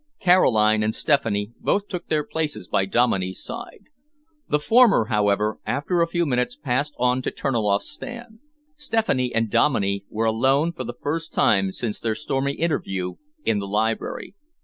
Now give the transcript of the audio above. Caroline and Stephanie both took their places by Dominey's side. The former, however, after a few minutes passed on to Terniloff's stand. Stephanie and Dominey were alone for the first time since their stormy interview in the library.